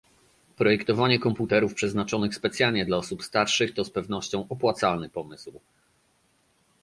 Projektowanie komputerów przeznaczonych specjalnie dla osób starszych to z pewnością opłacalny pomysł